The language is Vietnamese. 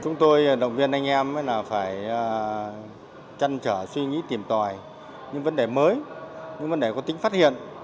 chúng tôi động viên anh em là phải chăn trở suy nghĩ tìm tòi những vấn đề mới những vấn đề có tính phát hiện